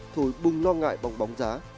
thổi bung lo ngại bóng bóng giá